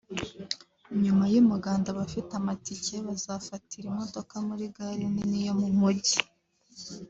nyuma y’umuganda abafite amatike bazafatira imodoka muri gare nini yo mu Mujyi